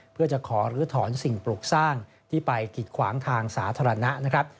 เพื่อจะขอลื้อถอนสิ่งปลูกสร้างที่ไปกิดขวางทางสาธารณะนะครับ